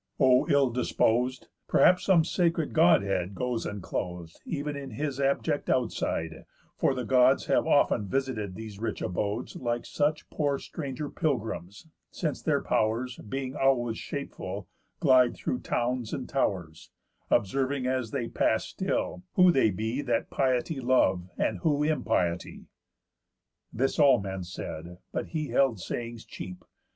O ill dispos'd! Perhaps some sacred Godhead goes enclos'd Ev'n in his abject outside; for the Gods Have often visited these rich abodes Like such poor stranger pilgrims, since their pow'rs (Being always shapeful) glide through towns and tow'rs, Observing, as they pass still, who they be That piety love, and who impiety." This all men said, but he held sayings cheap.